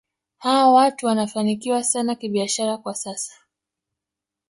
Hawa watu wanafanikiwa sana kibiashara kwa sasa